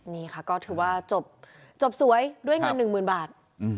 นี่ค่ะก็ถือว่าจบสวยด้วยเงิน๑๐๐๐บาท